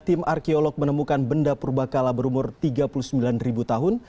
tim arkeolog menemukan benda purba kala berumur tiga puluh sembilan tahun